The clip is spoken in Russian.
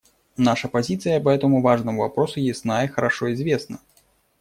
Наша позиция по этому важному вопросу ясна и хорошо известна.